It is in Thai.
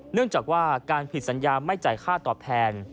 เนื่องจากว่าการผิดสัญญาไม่จ่ายค่าตอบแทน